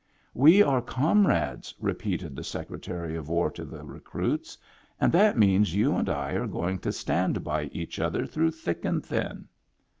" We are comrades," repeated the Secretary of War to the recruits, " and that means you and I are going to stand by each other through thick and thin."